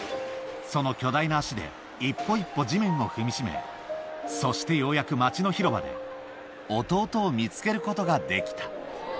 その巨大な足で、一歩一歩地面を踏みしめ、そしてようやく、町の広場で、弟を見つけることができた。